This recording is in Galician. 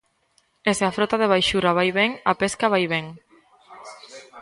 E se a frota de baixura vai ben, a pesca vai ben.